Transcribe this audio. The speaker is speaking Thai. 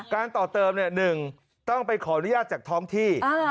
ต่อเติม๑ต้องไปขออนุญาตจากท้องที่